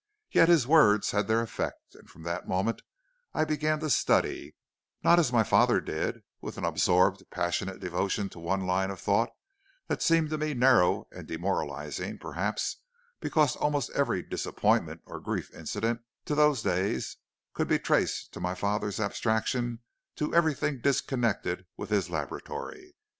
Yet his words had their effect, and from that moment I began to study not as my father did, with an absorbed, passionate devotion to one line of thought; that seemed to me narrow and demoralizing, perhaps because almost every disappointment or grief incident to those days could be traced to my father's abstraction to everything disconnected with his laboratory.